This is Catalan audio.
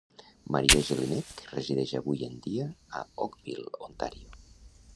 Maria Jelinek resideix avui en dia a Oakville, Ontàrio.